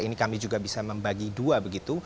ini kami juga bisa membagi dua begitu